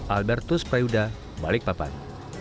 albertus prayuda balikpapan